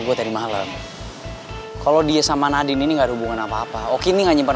gue tadi malam kalau dia sama nadine ini enggak ada hubungan apa apa oke ini hanya